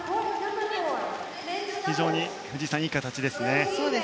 非常に藤井さんいい形ですね。